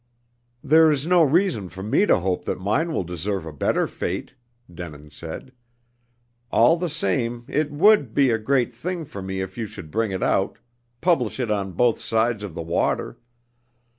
"There's no reason for me to hope that mine will deserve a better fate," Denin said. "All the same it would be a great thing for me if you should bring it out publish it on both sides of the water.